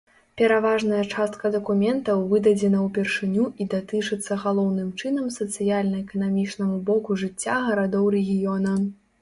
Пераважная частка дакументаў выдадзена ўпершыню і датычыцца галоўным чынам сацыяльна-эканамічнаму боку жыцця гарадоў рэгіёна.